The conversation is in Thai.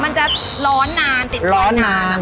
มันจะร้อนนานติดร้อนนาน